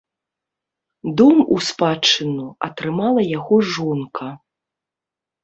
Дом у спадчыну атрымала яго жонка.